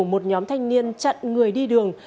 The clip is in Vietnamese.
một nhóm thanh niên chặn người đi đường